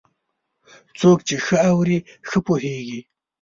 څوک چې ښه اوري، ښه پوهېږي.